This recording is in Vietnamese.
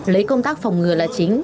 lấy công tác phòng ngừa là chính